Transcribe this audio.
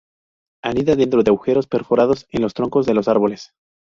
Anida dentro de agujeros perforados en los troncos de los árboles.